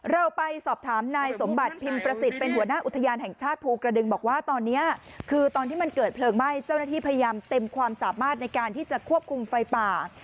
เราไปสอบถามนายสมบัติพิมพ์ประสิทธิ์เป็นหัวหน้าอุทยานแห่งชาติภูกระดึงบอกว่าตอนนี้คือตอนที่มันเกิดเพลิงไหม้เจ้าหน้าที่พยายามเต็มความสามารถในการที่จะควบคุมไฟป่า